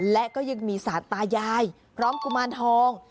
และก็ยังมีสารตายายพร้อมกุมารทอง